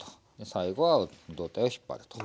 最後は胴体を引っ張ると。